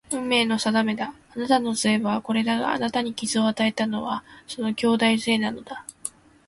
運命の定めだ。あなたの杖はこれだが、あなたに傷を与えたのはその兄弟杖なのだ